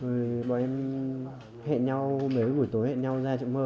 rồi bọn em hẹn nhau mấy buổi tối hẹn nhau ra chợ mơ